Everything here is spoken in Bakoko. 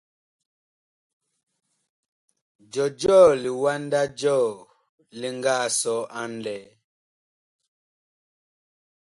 Jɔjɔɔ liwanda jɔɔ li nga sɔ a ŋlɛɛ ?